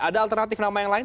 ada alternatif nama yang lain